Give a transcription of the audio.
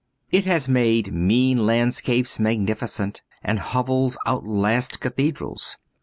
It has made mean landscapes magnificent and hovels outlast cathedrals.